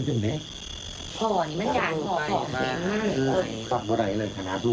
ขาหลืนใจปมบายยังไง